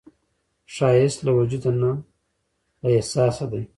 ښایست له وجوده نه، له احساسه دی